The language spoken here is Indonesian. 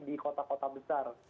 di kota kota besar